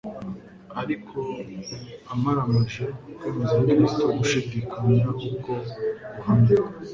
Ariko yari amaramaje kwemeza Kristo gushidikanya uko guhamya.